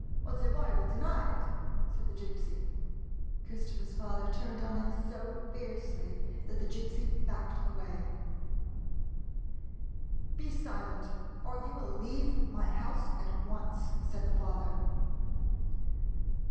" But the boy will deny it —" said the Gypsy. 60 THE GYPSY'S FLIGHT Christopher's father turned on him so fiercely that the Gypsy backed away. " Be silent, or you will leave my house at once," said the father.